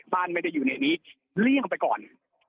บ้านไม่ได้อยู่ในนี้เลี่ยงไปก่อน